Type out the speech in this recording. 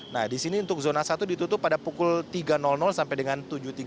nah di sini untuk zona satu ditutup pada pukul tiga sampai dengan tujuh tiga puluh